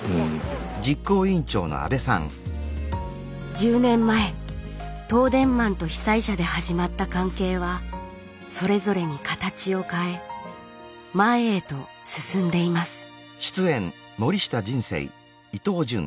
１０年前東電マンと被災者で始まった関係はそれぞれに形を変え前へと進んでいますど。